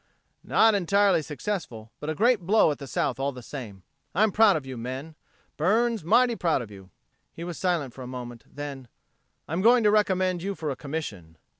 Not entirely successful, but a great blow at the South all the same. I'm proud of you men, Burns mighty proud of you." He was silent for a moment, then: "I'm going to recommend you for a commission."